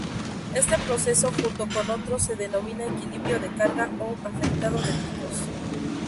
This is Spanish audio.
Este proceso, junto con otros, se denomina equilibrio de carga o afeitado de picos.